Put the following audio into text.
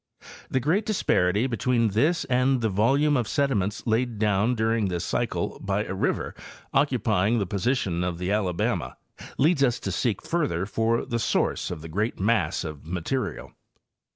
The great dis parity between this and the volume of sediments laid down during. this cycle by a river occupying the position of the Ala bama leads us to seek farther for the source of the great mass of material.